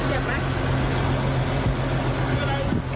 นี่เก็บไหม